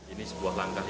ini sebuah langkah yang